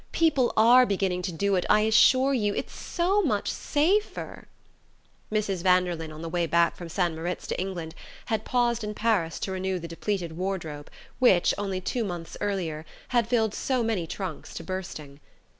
People are beginning to do it, I assure you it's so much safer!" Mrs. Vanderlyn, on the way back from St. Moritz to England, had paused in Paris to renew the depleted wardrobe which, only two months earlier, had filled so many trunks to bursting.